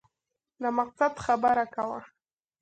د مقصد خبره کوه !